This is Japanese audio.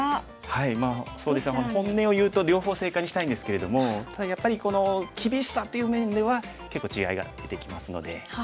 まあ本音を言うと両方正解にしたいんですけれどもただやっぱりこの厳しさっていう面では結構違いが出てきますので。